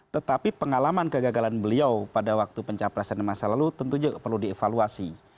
tetapi pengalaman kegagalan beliau pada waktu pencapresan masa lalu tentu juga perlu dievaluasi